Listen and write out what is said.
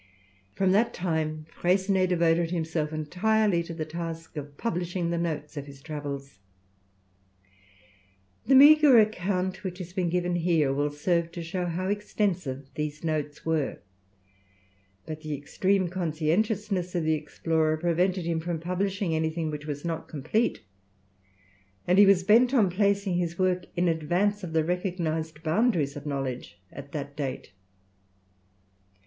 '" From that time Freycinet devoted himself entirely to the task of publishing the notes of his travels. The meagre account which has been given here will serve to show how extensive these notes were. But the extreme conscientiousness of the explorer prevented him from publishing anything which was not complete, and he was bent on placing his work in advance of the recognized boundaries of knowledge at that date.